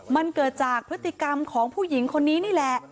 มันเกิดจากพฤติกรรมของผู้หญิงคนนี้นี่แหละ